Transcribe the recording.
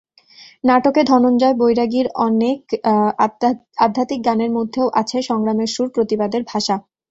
নাটকে ধনঞ্জয় বৈরাগীর অনেক আধ্যাত্মিক গানের মধ্যেও আছে সংগ্রামের সুর, প্রতিবাদের ভাষা।